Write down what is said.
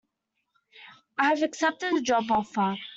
I have accepted the job offer.